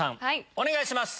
お願いします！